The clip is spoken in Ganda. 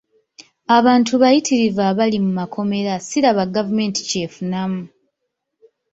Abantu bayitirivu abali mu makomera siraba gavumenti ky'efunamu.